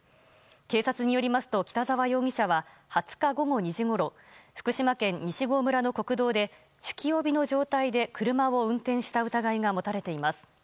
警察によりますと、北澤容疑者は２０日午後２時ごろ福島県西郷村の国道で酒気帯びの状態で車を運転した疑いが持たれています。